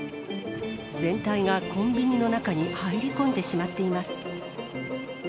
全体がコンビニの中に入り込んでしまっています。